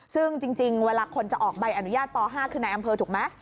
ซึ่งจริงเวลาคนจะออกใบอนุญาตป๕คือในอำเภอถูกไหม